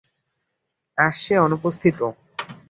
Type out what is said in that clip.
আজ সে অনুপস্থিতও।